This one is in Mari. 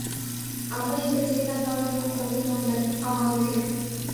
— А мый Екатерина Павловнам колтен ом керт: амал уке.